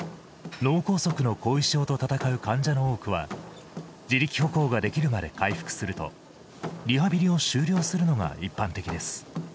脳梗塞の後遺症と闘う患者の多くは自力歩行ができるまで回復するとリハビリを終了するのが一般的です。